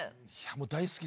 大好きで。